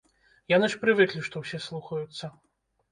Яны ж прывыклі, што ўсе слухаюцца.